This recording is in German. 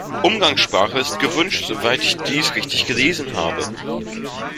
Umgangssprache ist gewünscht, soweit ich dies richtig gelesen habe.